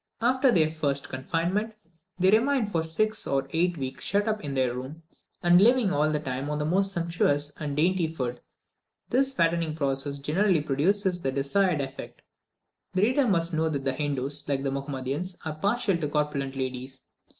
After their first confinement, they remain for six or eight weeks shut up in their room, without taking the least exercise, and living all the time on the most sumptuous and dainty food. This fattening process generally produces the desired effect. The reader must know that the Hindoos, like the Mahomedans, are partial to corpulent ladies.